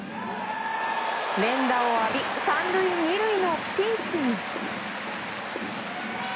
連打を浴び３塁２塁のピンチに。